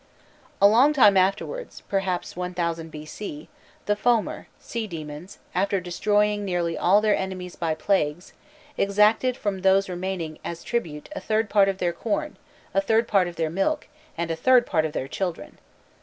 A long time afterwards perhaps 1000 B. C. the Fomor, sea demons, after destroying nearly all their enemies by plagues, exacted from those remaining, as tribute, "a third part of their corn, a third part of their milk, and a third part of their children."